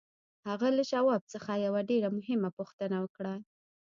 هغه له شواب څخه یوه ډېره مهمه پوښتنه وکړه